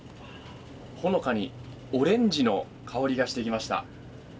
ほのかにオレンジの香りがしてきました。